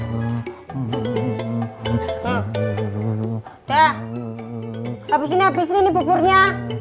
habisin habisin ini buburnya